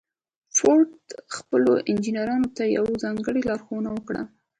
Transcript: فورډ خپلو انجنيرانو ته يوه ځانګړې لارښوونه وکړه.